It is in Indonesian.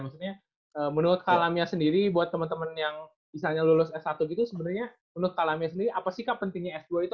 maksudnya menurut kalamnya sendiri buat temen temen yang misalnya lulus s satu gitu sebenarnya menurut kalamia sendiri apa sih kak pentingnya s dua itu